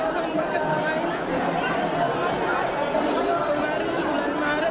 berbati cuma antar ujian kita